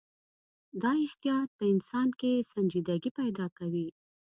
دا احتیاط په انسان کې سنجیدګي پیدا کوي.